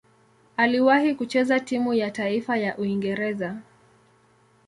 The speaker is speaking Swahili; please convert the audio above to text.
Aliwahi kucheza timu ya taifa ya Uingereza.